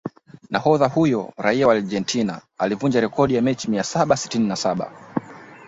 Nahodha huyo raia wa Argentina alivunja rekodi ya mechi mia saba sitini na saba